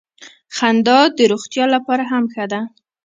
خندا د روغتیا لپاره ښه ده